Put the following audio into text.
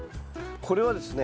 これはですね